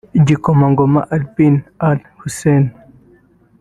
Igikomangoma Ali bin al-Hussein